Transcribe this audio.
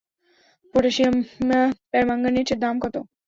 Potassium পারম্যাঙ্গানেটের দাম কত?